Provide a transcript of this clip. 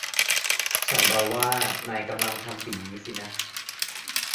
ฉันเดาว่านายกำลังทำสิ่งนี้สินะ